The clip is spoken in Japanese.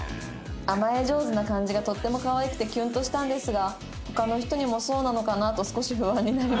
「甘え上手な感じがとっても可愛くてキュンとしたんですが他の人にもそうなのかなと少し不安になりました」